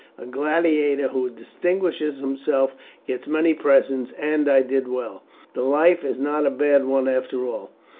A gladiator who distinguishes himself gets many presents, and I did well. The life is not a bad one after all."